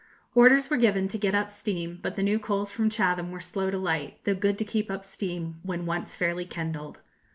Orders were given to get up steam; but the new coals from Chatham were slow to light, though good to keep up steam when once fairly kindled.